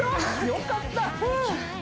良かった！